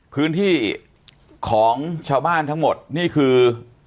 พื้นที่ของชาวบ้านทั้งหมดนี่คือ